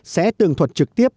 sẽ tường thuật trực tiếp